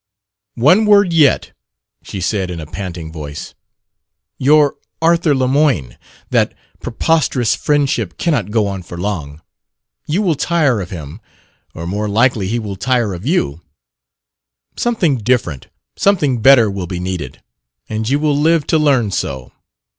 "One word yet," she said in a panting voice. "Your Arthur Lemoyne. That preposterous friendship cannot go on for long. You will tire of him; or more likely he will tire of you. Something different, something better will be needed, and you will live to learn so.